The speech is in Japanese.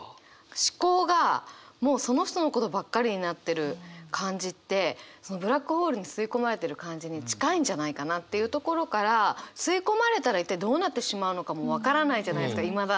思考がもうその人のことばっかりになってる感じってそのブラックホールに吸い込まれてる感じに近いんじゃないかなっていうところから吸い込まれたら一体どうなってしまうのかも分からないじゃないですかいまだ。